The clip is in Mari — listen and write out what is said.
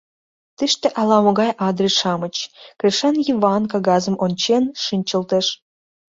— Тыште ала-могай адрес-шамыч, — Кришан Йыван кагазым ончен шинчылтеш.